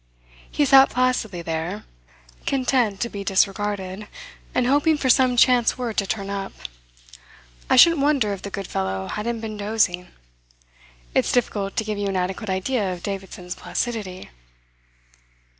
He sat placidly there, content to be disregarded and hoping for some chance word to turn up. I shouldn't wonder if the good fellow hadn't been dozing. It's difficult to give you an adequate idea of Davidson's placidity.